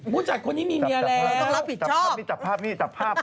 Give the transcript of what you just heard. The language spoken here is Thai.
ผู้จัดโน้นมีเมียแล้ว